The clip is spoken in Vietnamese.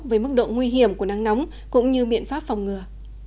với mức độ nguy hiểm của nắng nóng cũng như biện pháp phòng ngừa